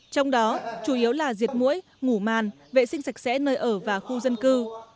trong đó chủ yếu là diệt mũi ngủ màn vệ sinh sạch sẽ nơi ở và khu dân cư